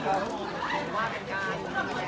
สวัสดีครับ